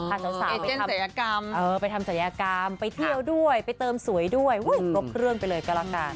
อ๋อเอเจนสายอากรรมไปทำสายอากรรมไปเที่ยวด้วยไปเติมสวยด้วยบุ๊บเรื่องไปเลยก็ละกัน